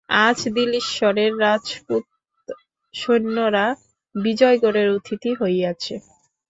আজ দিল্লীশ্বরের রাজপুত সৈন্যেরা বিজয়গড়ের অতিথি হইয়াছে।